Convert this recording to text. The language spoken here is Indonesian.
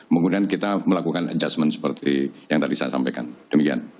kemudian kita melakukan adjustment seperti yang tadi saya sampaikan demikian